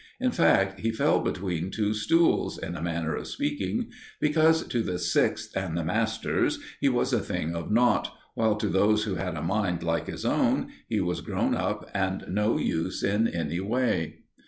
In fact, he fell between two stools, in a manner of speaking, because, to the Sixth and the masters, he was a thing of nought, while to those who had a mind like his own, he was grown up and no use in any way.